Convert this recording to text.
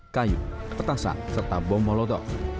kayu petasan serta bom molotov